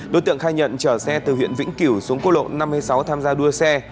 đối tượng khai nhận chở xe từ huyện vĩnh kiểu xuống cố lộ năm mươi sáu tham gia đua xe